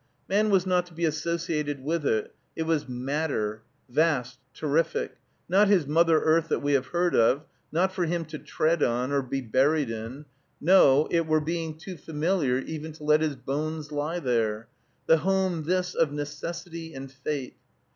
Man was not to be associated with it. It was Matter, vast, terrific, not his Mother Earth that we have heard of, not for him to tread on, or be buried in, no, it were being too familiar even to let his bones lie there, the home, this, of Necessity and Fate.